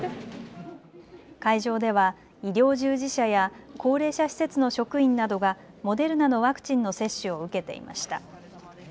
会場では医療従事者や高齢者施設の職員などがモデルナのワクチンの接種を受けていました。